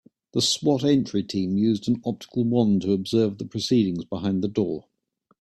The S.W.A.T. entry team used an optical wand to observe the proceedings behind the door.